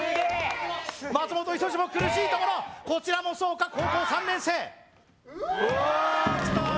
松本人志も苦しいところこちらもそうか高校３年生うおーきたー